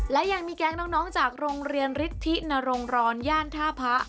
และยังมีแก๊งน้องจากโรงเรียนฤทธินรงรอนย่านท่าพระ